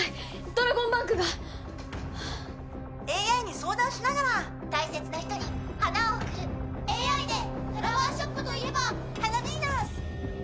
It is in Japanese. ドラゴンバンクがＡＩに相談しながら大切な人に花を贈るＡＩでフラワーショップといえば花ヴィーナス！